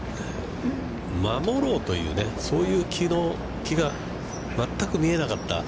守ろうというね、そういう気が全く見えなかった。